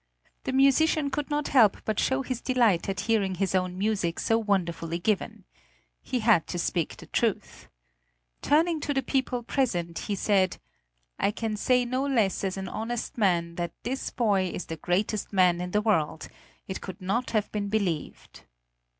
The musician could not help but show his delight at hearing his own music so wonderfully given. He had to speak the truth. Turning to the people present he said, "I can say no less as an honest man than that this boy is the greatest man in the world; it could not have been believed."